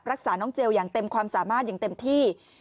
รักษาน้องเจลอย่างเต็มความสามารถอย่างเต็มที่